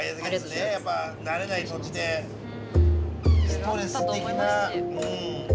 ストレス的なうん。